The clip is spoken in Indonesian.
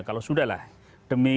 kalau sudah lah demi